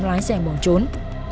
lái xe bỏ trốn